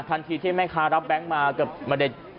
ทันทีที่แม่ค้ารับแบงค์มาก็ไม่ได้